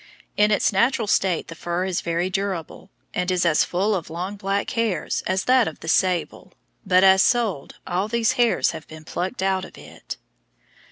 In its natural state the fur is very durable, and is as full of long black hairs as that of the sable, but as sold, all these hairs have been plucked out of it.